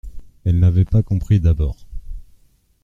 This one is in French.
Elle n'avait pas compris d'abord.